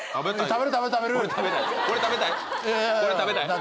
食べる食べる！